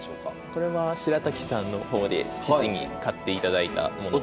これは白瀧さんの方で父に買っていただいたもの。